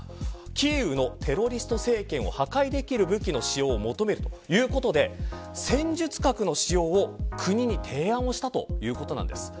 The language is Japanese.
キーウのテロリスト政権を破壊できる武器の使用を求めるということで戦術核の使用を国に提案しているということです。